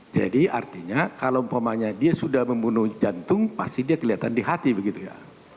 jadi artinya kalau umpamanya dia sudah membunuh jantung pasti dia kelihatan di hati begitu ya